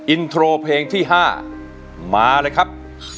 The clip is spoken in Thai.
อินโทรเพลงที่๕มาเลยครับ